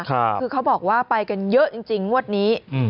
คือเขาบอกว่าไปกันเยอะจริงงวดนี้